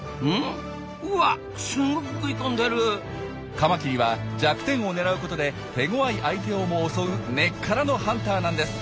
カマキリは弱点を狙うことで手ごわい相手をも襲う根っからのハンターなんです。